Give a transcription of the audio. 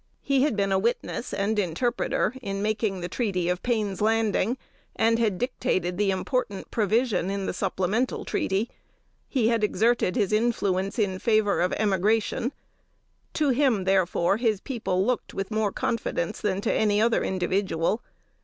He had been a witness and interpreter in making the treaty of Payne's Landing, and had dictated the important provision in the supplemental treaty; he had exerted his influence in favor of emigration; to him, therefore, his people looked with more confidence than to any other individual.